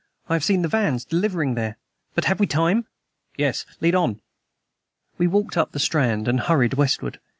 "I have seen the vans delivering there. But have we time?" "Yes. Lead on." We walked up the Strand and hurried westward.